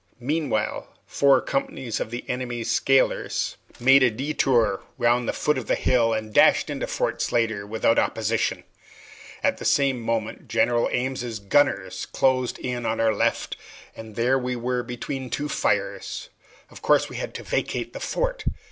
Meanwhile, four companies of the enemy's scalers made a detour round the foot of the hill, and dashed into Fort Slatter without opposition. At the same moment General Ames's gunners closed in on our left, and there we were between two fires. Of course we had to vacate the fort.